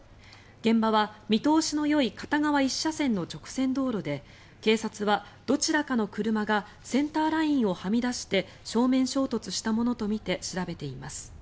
現場は見通しのよい片側１車線の直線道路で警察はどちらかの車がセンターラインをはみ出して正面衝突したものとみて調べています。